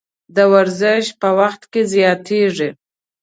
د ورزش په وخت کې زیاتیږي.